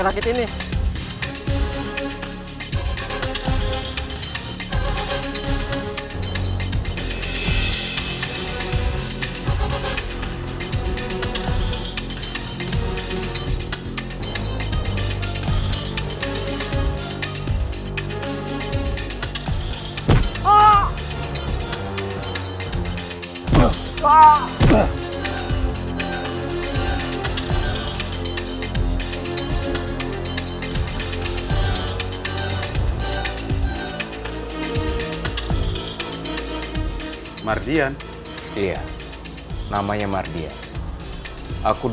rakit ini mau dibawa kemana pak